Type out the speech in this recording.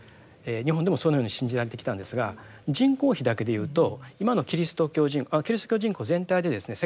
日本でもそのように信じられてきたんですが人口比だけでいうと今のキリスト教人口全体でですね